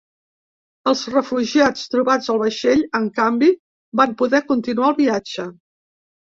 Els refugiats trobats al vaixell, en canvi, van poder continuar el viatge.